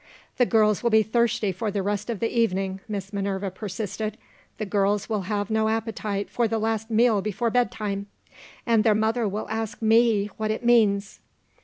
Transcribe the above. "The girls will be thirsty for the rest of the evening," Miss Minerva persisted; "the girls will have no appetite for the last meal before bedtime. And their mother will ask Me what it means."